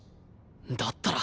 だったら。